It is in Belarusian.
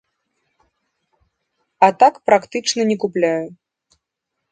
А так практычна не купляю.